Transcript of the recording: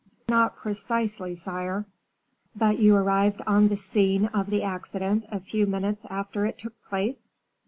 "Not precisely, sire." "But you arrived on the scene of the accident, a few minutes after it took place?"